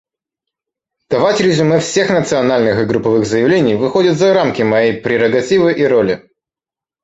Давать резюме всех национальных и групповых заявлений выходит за рамки моей прерогативы и роли.